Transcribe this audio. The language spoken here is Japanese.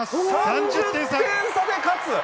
３０点差で勝つ。